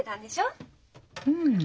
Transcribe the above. うん。